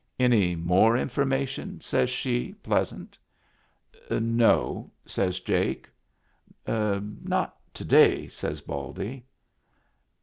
" Any more information ?" says she, pleasant " No," says Jake. " Not to day," says Baldy.